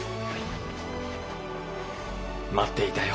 待っていたよ。